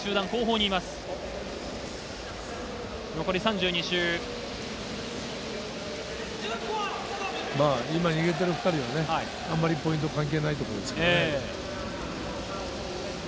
今逃げてる２人はね、あんまりポイント関係ないとこですからね。